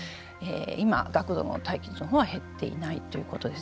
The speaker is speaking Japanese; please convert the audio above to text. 今、学童の待機児童というのは減っていないということです。